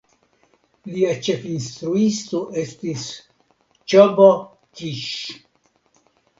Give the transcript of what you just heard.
Lia ĉefinstruisto estis Csaba Kiss.